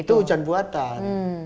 itu hujan buatan